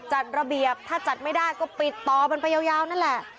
จัดระเบียบถ้าจัดไม่ได้ก็ปิดต่อมันไปยาวนั่นแหละ